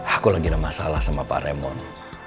aku lagi ada masalah sama pak remon